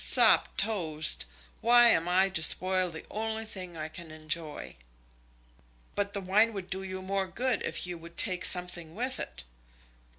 "Sopped toast! why am I to spoil the only thing I can enjoy?" "But the wine would do you more good if you would take something with it."